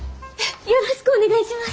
よろしくお願いします！